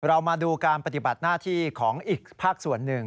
เรามาดูการปฏิบัติหน้าที่ของอีกภาคส่วนหนึ่ง